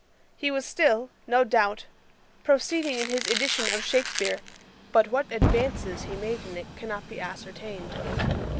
He was still, no doubt, proceeding in his edition of Shakespeare; but what advances he made in it cannot be ascertained.